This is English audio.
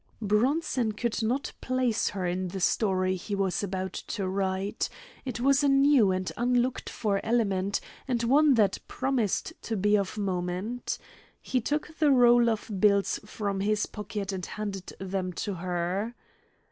Bronson could not place her in the story he was about to write; it was a new and unlooked for element, and one that promised to be of moment. He took the roll of bills from his pocket and handed them to her.